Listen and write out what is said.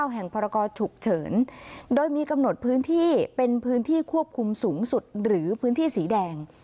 แห่งพรกรฉุกเฉินโดยมีกำหนดพื้นที่เป็นพื้นที่ควบคุมสูงสุดหรือพื้นที่สีแดง